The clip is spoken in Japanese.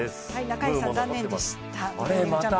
ナカイさん、残念でした。